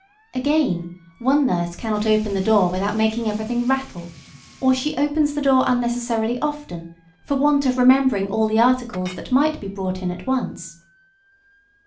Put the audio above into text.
Again, one nurse cannot open the door without making everything rattle. Or she opens the door unnecessarily often, for want of remembering all the articles that might be brought in at once.